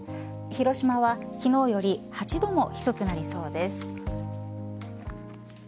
広島は昨日より８度も低くなりそうです。